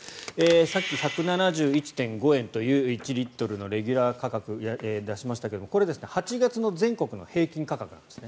さっき１７１．５円という１リットルのレギュラー価格を出しましたがこれ８月の全国の平均価格です。